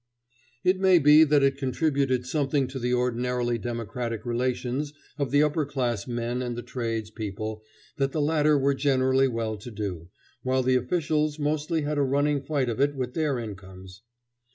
It may be that it contributed something to the ordinarily democratic relations of the upper class men and the tradespeople that the latter were generally well to do, while the officials mostly had a running fight of it with their incomes.